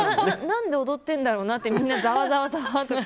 何で踊ってるんだろうなってみんなざわざわ。